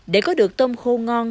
để có được tôm khô ngon